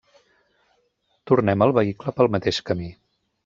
Tornem al vehicle pel mateix camí.